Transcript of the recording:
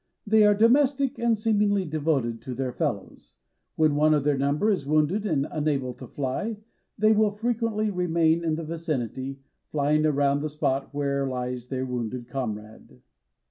They are domestic and seemingly devoted to their fellows. When one of their number is wounded and unable to fly they will frequently remain in the vicinity, flying around the spot where lies their wounded comrade.